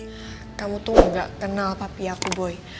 budi kamu tuh gak kenal papi aku boy